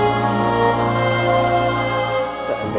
ilham ringan untuk gampang